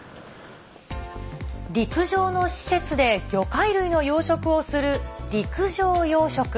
陸上の施設で魚介類の養殖をする陸上養殖。